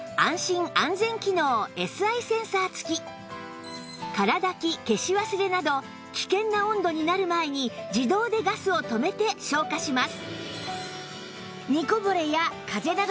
また空だき消し忘れなど危険な温度になる前に自動でガスを止めて消火します